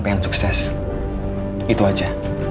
pengen sukses itu aja